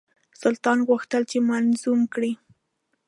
سلطان غوښتل چې منظوم کړي.